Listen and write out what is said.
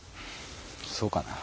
そうかな？